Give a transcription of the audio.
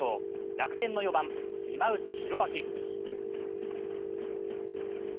楽天の４番・島内宏明。